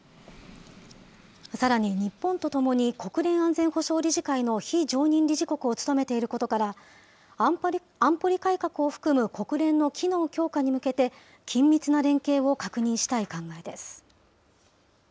さらに、日本とともに国連安全保障理事会の非常任理事国を務めていることから、安保理改革を含む国連の機能強化に向けて、緊密な連携を確認したい考えです。